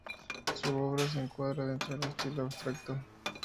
Su obra se encuadra dentro del estilo abstracto.